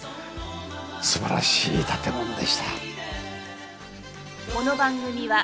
素晴らしい建物でした。